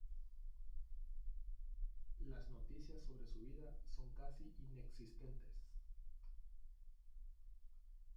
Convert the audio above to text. Las noticias sobre su vida son casi inexistentes.